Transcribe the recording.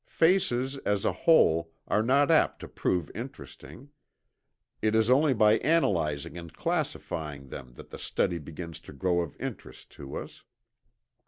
Faces as a whole are not apt to prove interesting. It is only by analyzing and classifying them that the study begins to grow of interest to us.